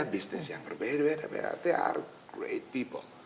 bisnis yang berbeda beda they are great people